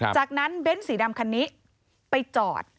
จากนั้นเบ้นสีดำคันนี้ไปจอด